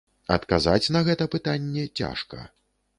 Адказаць на гэта пытанне цяжка.